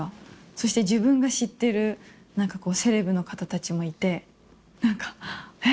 そして自分が知ってる、なんかこう、セレブの方たちもいて、なんか、え？